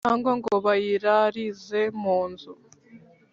cyangwa ngo bayirarize munzu